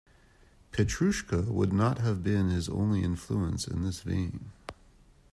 "Petrushka" would not have been his only influence in this vein.